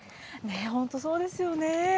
本当、そうですよね。